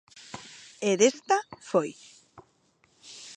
E desta, foi.